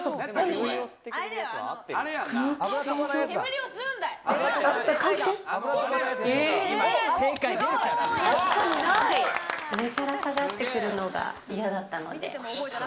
上から下がってくるのが嫌だったので。